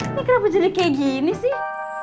ini kenapa jadi kayak gini sih